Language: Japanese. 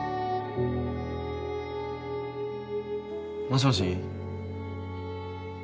もしもし？